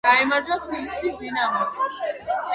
გაიმარჯვა თბილისის „დინამომ“.